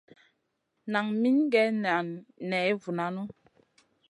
Nan min gue nan ney vovanu.